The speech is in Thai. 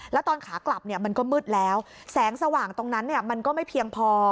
แล้วตอนขากลับเนี่ยมันก็มืดแล้วแสงสว่างตรงนั้นมันก็ไม่เพียงพอ